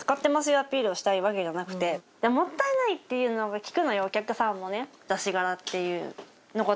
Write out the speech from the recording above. アピールをしたいわけじゃなくて、もったいないっていうのを聞くのよ、お客さんもね。